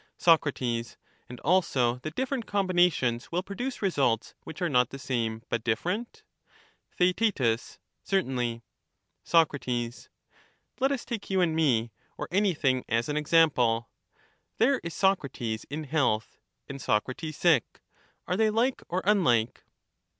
Soc. And also that different combinations will produce results which are not the same, but different? Theaet Certainly. Soc. Let us take you and me, or anything as an example :— There is Socrates in health, and Socrates sick — Are they like or unlike